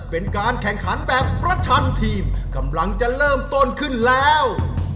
เป็นการแข่งขันแบบประชันทีมกำลังจะเริ่มต้นขึ้นแล้ว